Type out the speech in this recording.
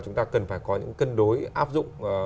chúng ta cần phải có những cân đối áp dụng